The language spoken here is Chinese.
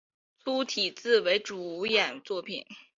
粗体字为主演作品